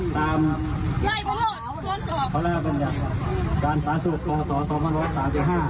ฆ่านั่งค้าภัยอาวิจัยอาวิจัยฟรุง